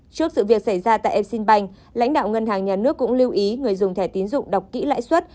trước sự việc xảy ra tại exim bank lãnh đạo ngân hàng nhà nước cũng lưu ý người dùng thẻ tín dụng đọc kỹ lãi suất